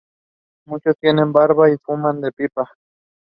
She was sold in St Vincent.